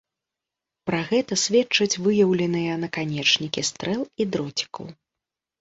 Пра гэта сведчаць выяўленыя наканечнікі стрэл і дроцікаў.